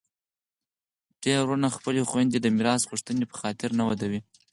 ډیری وروڼه خپلي خویندي د میراث غوښتني په خاطر نه ودوي.